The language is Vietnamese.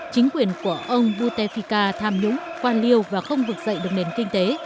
chính quyền của ông boutefika tham nhũng quan liêu và không vực dậy được nền kinh tế